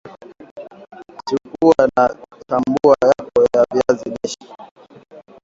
chukua na Chambua yako ya viazi lishe